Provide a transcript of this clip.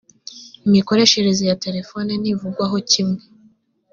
imikoreshereze yaterefone ntivugwaho kimwe.